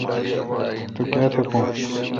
تو کیا تھہ بون۔